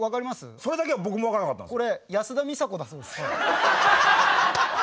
それだけは僕も分からなかったんですよ。